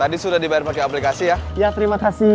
tadi sudah dibayar pakai aplikasi ya ya terima kasih